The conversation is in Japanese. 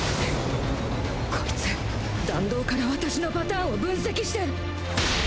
こいつ弾道から私のパターンを分析して